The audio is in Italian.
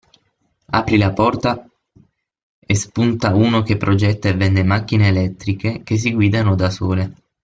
Apri la porta e spunta uno che progetta e vende macchine elettriche che si guidano da sole.